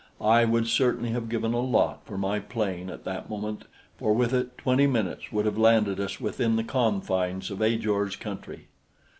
I would certainly have given a lot for my plane at that moment, for with it, twenty minutes would have landed us within the confines of Ajor's country.